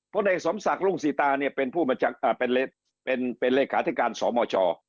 พลเอกสมศักดิ์รุ่งสีตาเป็นเลขาธิการสมช